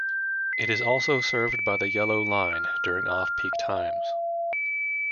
It is also served by the Yellow Line during off-peak times.